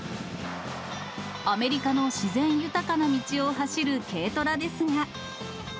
アメリカの自然豊かな道を走る軽トラですが。